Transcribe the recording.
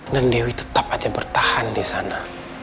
dan dewi tetap aja bertahan di sana